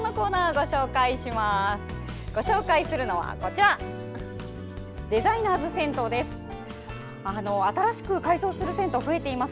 ご紹介するのはデザイナーズ銭湯です。